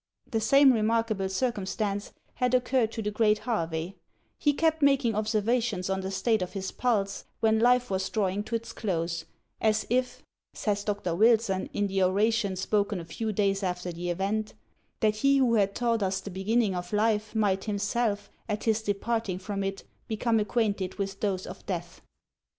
The same remarkable circumstance had occurred to the great Harvey: he kept making observations on the state of his pulse, when life was drawing to its close, "as if," says Dr. Wilson, in the oration spoken a few days after the event, "that he who had taught us the beginning of life might himself, at his departing from it, become acquainted with those of death."